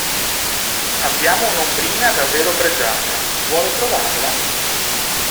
Abbiamo un'ombrina davvero pregiata, vuole provarla?